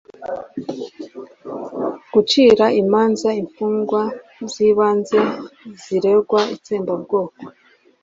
gucira imanza infungwa z'ibanze ziregwa itsembabwoko